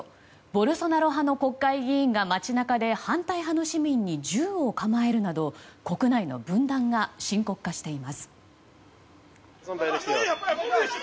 ボルソナロ派の国会議員が街中で反対派の市民に銃を構えるなど国内の分断が深刻化しています。